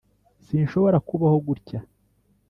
sinshobora kubaho gutya.